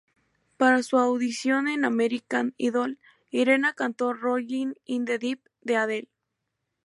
Para su audición en American Idol, Irena cantó "Rolling in the Deep" de Adele.